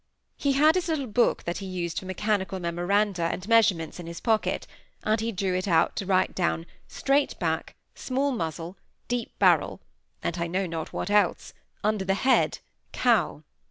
He had his little book that he used for mechanical memoranda and measurements in his pocket, and he took it out to write down "straight back", small muzzle", "deep barrel", and I know not what else, under the head "cow".